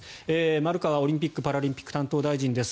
丸川オリンピック・パラリンピック担当大臣です。